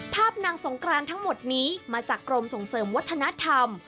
ภาพนางสงกรานทั้งหมดนี้มาจากกรมส่งเสริมวัฒนธรรม